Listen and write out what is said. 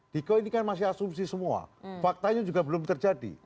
diko ini kan masih asumsi semua faktanya juga belum terjadi